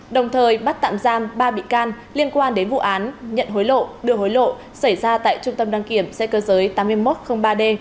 đồng thời bắt tạm giam ba bị can liên quan đến vụ án nhận hối lộ đưa hối lộ xảy ra tại trung tâm đăng kiểm xe cơ giới tám nghìn một trăm linh ba d